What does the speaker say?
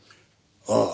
ああ。